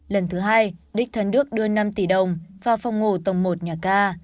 lần thứ hai đích thấn đức đưa năm tỷ đồng vào phòng ngủ tổng một nhà ca